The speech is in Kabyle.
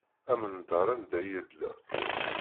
Amendeṛ anda yella.